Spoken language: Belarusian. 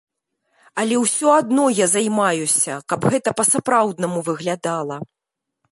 Алё ўсё адно я займаюся, каб гэта па-сапраўднаму выглядала.